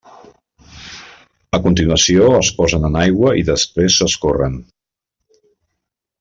A continuació es posen en aigua i després s'escorren.